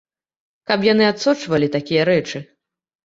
Каб яны адсочвалі такія рэчы.